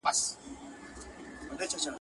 هغوی خپل پلار ته ماښام د ژړا په حالت کي راغلل.